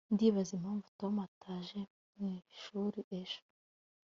ndibaza impamvu tom ataje mwishuri ejo